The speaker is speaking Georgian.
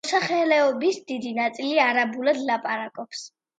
მოსახლეობის დიდი ნაწილი არაბულად ლაპარაკობს.